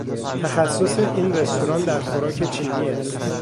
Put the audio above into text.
تخصص این رستوران در خوراک چینی است.